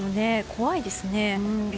怖いですね。